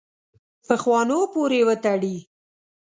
پخوانو پورې وتړي.